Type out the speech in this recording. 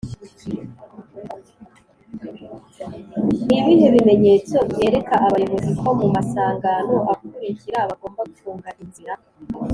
Nibihe bimenyetso byereka abayobozi ko mumasangano akurikira bagomba Gutanga inzira?